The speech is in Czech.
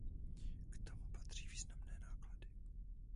K tomu patří významné náklady.